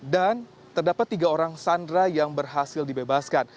dan terdapat tiga orang sandra yang berhasil dibebaskan